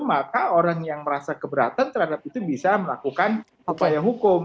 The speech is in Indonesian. maka orang yang merasa keberatan terhadap itu bisa melakukan upaya hukum